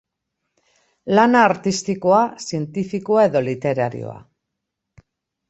Lana artistikoa, zientifikoa edo literarioa.